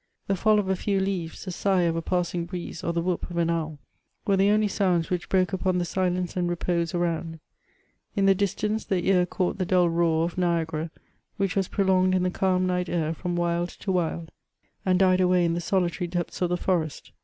The fall of a few leaves, the sigh of a passing breeze, or the whoop of an ow^l, were the only sounds which broke upon the silence and repose around ; in the distance the ear caught the dull roar of Niagara, which was prolonged in the calm night air from wild to wild, and died away in the soli* CHATEAUBRIAND. 273 tary depths of the forest.